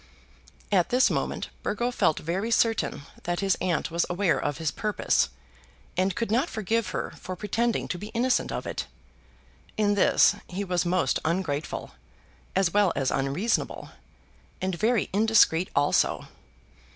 At this moment Burgo felt very certain that his aunt was aware of his purpose, and could not forgive her for pretending to be innocent of it. In this he was most ungrateful, as well as unreasonable, and very indiscreet also.